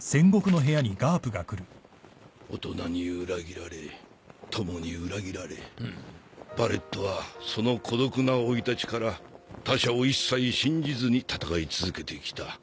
大人に裏切られ友に裏切られバレットはその孤独な生い立ちから他者を一切信じずに戦い続けてきた。